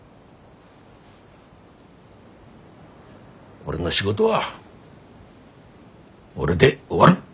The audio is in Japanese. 俺の仕事は俺で終わる！